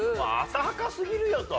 浅はかすぎるよと。